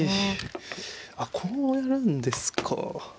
あっこうやるんですか。